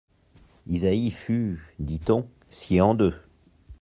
Isaïe fut, dit-on, scié en deux.